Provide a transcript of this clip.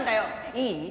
いい？